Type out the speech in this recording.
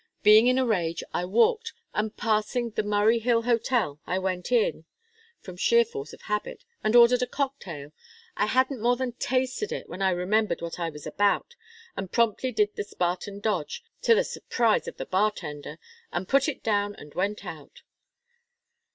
Being in a rage, I walked, and passing the Murray Hill Hotel, I went in, from sheer force of habit, and ordered a cocktail. I hadn't more than tasted it when I remembered what I was about, and promptly did the Spartan dodge to the surprise of the bar tender and put it down and went out.